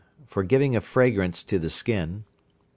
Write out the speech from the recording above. For giving a fragrance to the skin.